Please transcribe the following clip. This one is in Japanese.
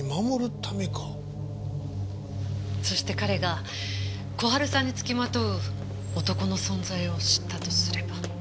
そして彼が小春さんにつきまとう男の存在を知ったとすれば。